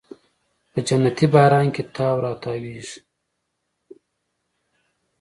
په جنتي باران کې تاو راتاویږې